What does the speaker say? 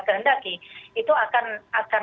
kerendaki itu akan